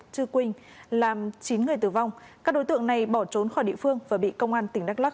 chư quỳnh làm chín người tử vong các đối tượng này bỏ trốn khỏi địa phương và bị công an tỉnh đắk lắc